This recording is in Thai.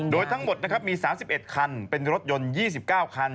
โดยทั้งหมดนะครับมี๓๑คันเป็นรถยนต์๒๙คัน